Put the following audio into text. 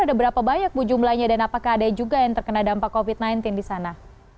ada berapa banyak bu jumlahnya dan apakah ada juga yang terkena dampak covid sembilan belas di sana